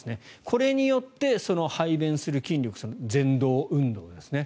これによって、排便する筋力ぜん動運動ですね。